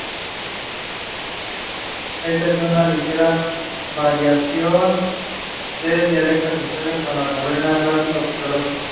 Ya de regreso a Nisa tomó como pupilo a Estrabón.